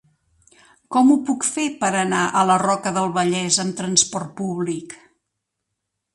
Com ho puc fer per anar a la Roca del Vallès amb trasport públic?